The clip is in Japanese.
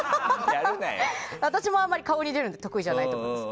私は顔に出るので得意じゃないと思います。